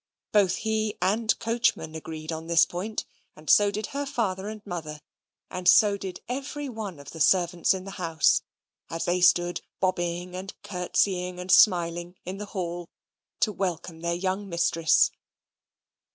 Both he and coachman agreed on this point, and so did her father and mother, and so did every one of the servants in the house, as they stood bobbing, and curtseying, and smiling, in the hall to welcome their young mistress.